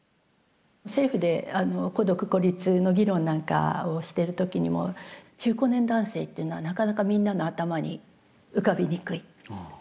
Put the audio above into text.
政府で孤独・孤立の議論なんかをしてる時にも中高年男性というのはなかなかみんなの頭に浮かびにくい。